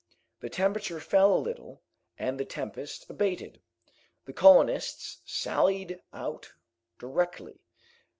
The temperature fell a little, and the tempest abated. The colonists sallied out directly.